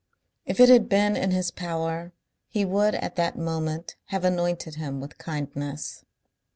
If it had been in his power, he would at that moment have anointed him with kindness.